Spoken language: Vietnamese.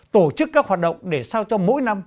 tổ chức các hoạt động để sao cho mỗi năm